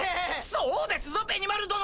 そうですぞベニマル殿！